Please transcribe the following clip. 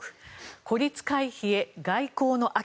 孤立回避へ外交の秋。